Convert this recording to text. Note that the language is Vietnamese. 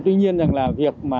tuy nhiên là việc